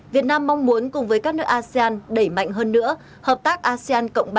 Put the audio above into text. việt nam mong muốn cùng với các nước asean đẩy mạnh hơn nữa hợp tác asean cộng ba